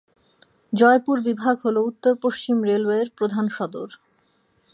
জয়পুর বিভাগ হলো উত্তর পশ্চিম রেলওয়ের প্রধান সদর।